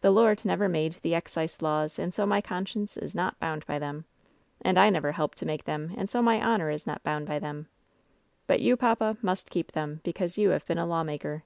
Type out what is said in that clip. The Lord never made the excise laws and so my conscience is not bound by them. And I never helped to make them, and so my honor is not bound by them. But you, papa, must keep them, because you have been a lawmaker."